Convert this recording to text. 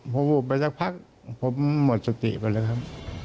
พอวูบไปสักพักผมหมดสติไปเลยครับ